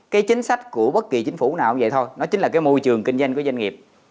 cái chính sách của bất kỳ chính phủ nào cũng vậy thôi nó chính là cái môi trường kinh doanh của doanh nghiệp